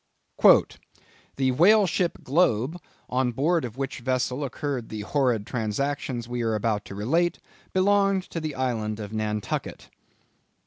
"The Whale ship Globe, on board of which vessel occurred the horrid transactions we are about to relate, belonged to the island of Nantucket."